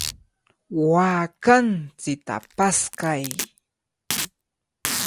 ¡Waakanchikta paskay!